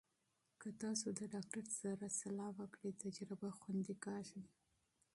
که تاسو د ډاکټر سره مشوره وکړئ، تجربه خوندي کېږي.